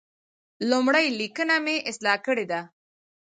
لومړۍ لیکنه مې اصلاح کړې ده.